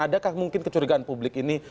adakah mungkin kecurigaan publik ini